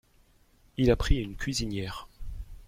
Il a pris une cuisinière.